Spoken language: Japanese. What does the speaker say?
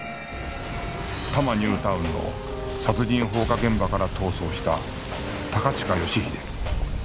多摩ニュータウンの殺人放火現場から逃走した高近義英